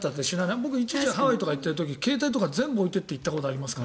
僕、ハワイ行ってる時携帯とか全部置いて行ったことありますから。